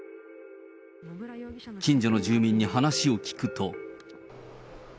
近所の住民に話を聞くと。